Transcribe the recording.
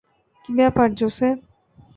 কি ব্যাপার, জোসেফ?